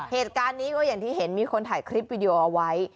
เหตุการณ์นี้ก็อย่างที่เห็นมีคนถ่ายคลิปวิดีโอเอาไว้